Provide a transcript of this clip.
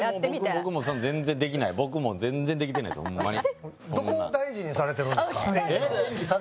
僕もう全然できない僕もう全然できてない、ホンマに。